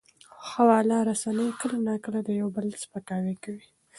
خواله رسنۍ کله ناکله د یو بل سپکاوی کوي.